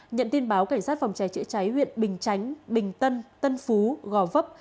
nhận tin báo cảnh sát phòng cháy chữa cháy huyện bình chánh bình tân tân phú gò vấp